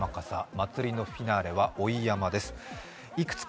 祭りのフィナーレは追い山笠です。